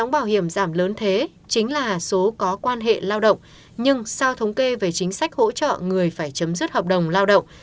đóng bảo hiểm giảm lớn thế chính là số có quan hệ lao động nhưng sau thống kê về chính sách hỗ trợ người phải chấm dứt hợp đồng lao động